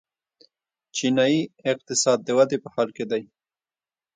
چینايي اقتصاد د ودې په حال کې دی.